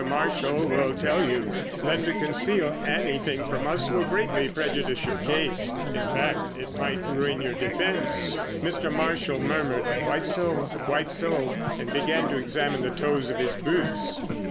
Marshall will tell you that to conceal anything from us will greatly prejudice your case—in fact, it might ruin your defence." Mr. Marshall murmured "Quite so! quite so!" and began to examine the toes of his boots.